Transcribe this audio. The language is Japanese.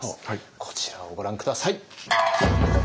こちらをご覧下さい。